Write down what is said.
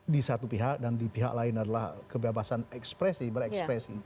di satu pihak dan di pihak lain adalah kebebasan ekspresi berekspresi